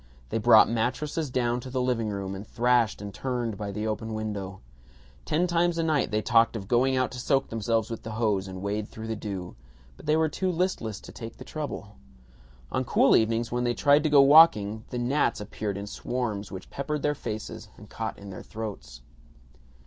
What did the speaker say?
They brought mattresses down to the living room, and thrashed and turned by the open window. Ten times a night they talked of going out to soak themselves with the hose and wade through the dew, but they were too listless to take the trouble. On cool evenings, when they tried to go walking, the gnats appeared in swarms which peppered their faces and caught in their throats.